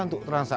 oh gitu ya